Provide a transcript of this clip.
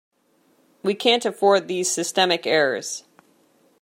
We can't afford these systemic errors.